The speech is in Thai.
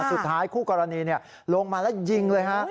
สุดท้ายคู่กรณีเนี่ยลงมาแล้วยิงเลยฮะ